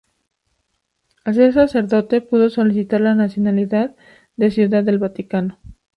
Al ser Sacerdote pudo solicitar la nacionalidad de Ciudad del Vaticano.